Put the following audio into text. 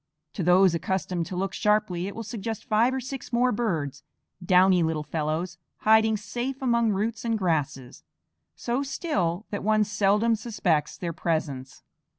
To those accustomed to look sharply it will suggest five or six more birds, downy little fellows, hiding safe among roots and grasses, so still that one seldom suspects their presence.